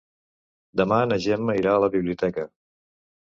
Demà na Gemma irà a la biblioteca.